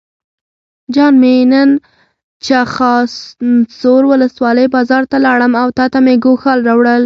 جان مې نن چخانسور ولسوالۍ بازار ته لاړم او تاته مې ګوښال راوړل.